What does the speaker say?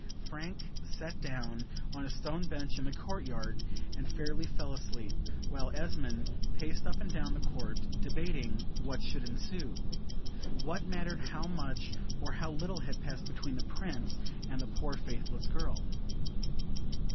Frank sat down on a stone bench in the court yard, and fairly fell asleep, while Esmond paced up and down the court, debating what should ensue. What mattered how much or how little had passed between the Prince and the poor faithless girl?